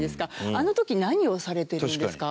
あの時、何をされてるんですか？